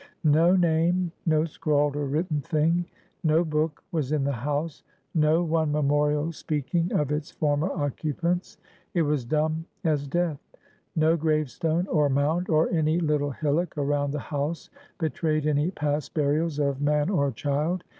No name; no scrawled or written thing; no book, was in the house; no one memorial speaking of its former occupants. It was dumb as death. No grave stone, or mound, or any little hillock around the house, betrayed any past burials of man or child.